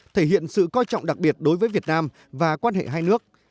thể hiện sự coi trọng đặc biệt đối với việt nam và quan hệ hai nước